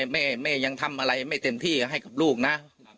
แม่ยังทำอะไรไม่เต็มที่ให้กับลูกนะ